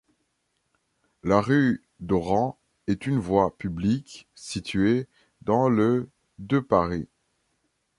La rue d'Oran est une voie publique située dans le de Paris.